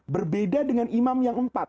berbeda dengan imam yang empat